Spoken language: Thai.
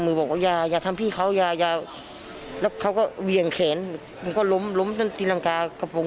สวัสดีครับสวัสดีครับ